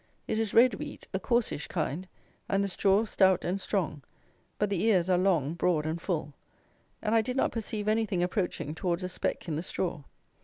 It is red wheat; a coarsish kind, and the straw stout and strong; but the ears are long, broad and full; and I did not perceive anything approaching towards a speck in the straw.